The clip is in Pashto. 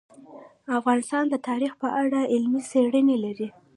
افغانستان د تاریخ په اړه علمي څېړنې لري.